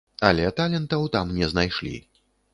Але талентаў там не знайшлі.